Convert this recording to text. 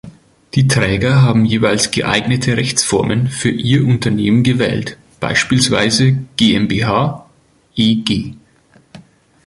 Die Träger haben jeweils geeignete Rechtsformen für ihr Unternehmen gewählt, beispielsweise GmbH, eG.